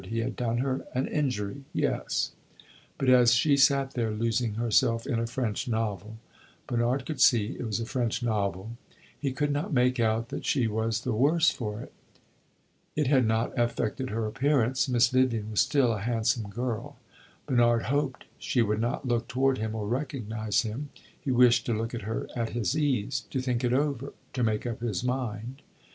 He had done her an injury yes; but as she sat there losing herself in a French novel Bernard could see it was a French novel he could not make out that she was the worse for it. It had not affected her appearance; Miss Vivian was still a handsome girl. Bernard hoped she would not look toward him or recognize him; he wished to look at her at his ease; to think it over; to make up his mind.